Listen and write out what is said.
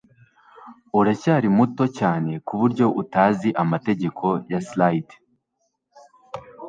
Uracyari muto cyane kuburyo utazi amategeko ya slide